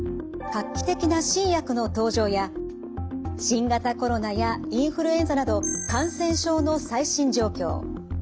画期的な新薬の登場や新型コロナやインフルエンザなど感染症の最新状況。